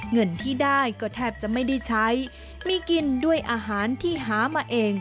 เงินที่ได้ก็แทบจะไม่ได้ใช้มีกินด้วยอาหารที่หามาเอง